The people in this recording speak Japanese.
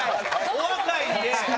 お若いんで。